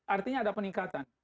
artinya ada peningkatan